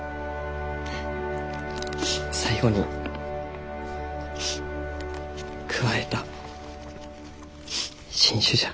最後に加えた新種じゃ。